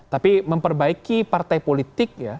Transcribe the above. tapi memperbaiki partai politik